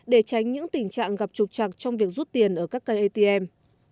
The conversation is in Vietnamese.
để tránh những tình trạng gặp trục chặt trong việc rút tiền ở các cây atm